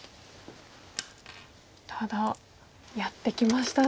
ただやってきましたね。